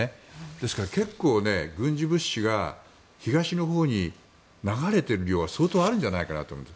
ですから結構、軍事物資が東のほうに流れている量は相当あるんじゃないかと。